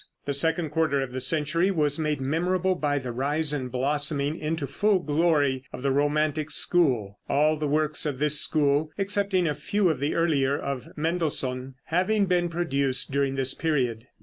The second quarter of the century was made memorable by the rise and blossoming into full glory of the romantic school, all the works of this school (excepting a few of the earlier of Mendelssohn) having been produced during this period.